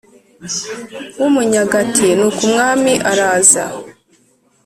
w Umunyagati Nuko Umwami araza